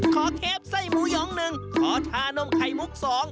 เคฟไส้หมูหยองหนึ่งขอทานมไข่มุกสอง